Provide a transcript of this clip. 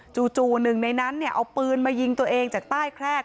จู่หนึ่งในนั้นเอาปืนมายิงตัวเองจากใต้แครก